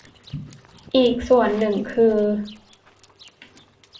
อีกส่วนหนึ่งคือ